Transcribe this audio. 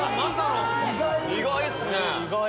意外っすね！